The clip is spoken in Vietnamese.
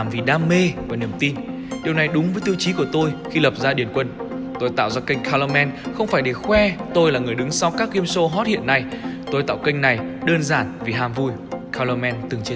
vì hàm vui color man từng chia sẻ